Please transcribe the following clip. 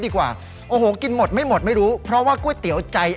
ดีกว่าโอ้โหกินหมดไม่หมดไม่รู้เพราะว่าก๋วยเตี๋ยวใจ